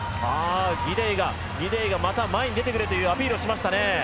ギデイがまた前に出てくれというアピールをしましたね。